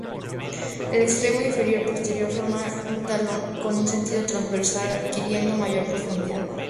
El extremo inferior posterior forma un "talón" con un sentido transversal adquiriendo mayor profundidad.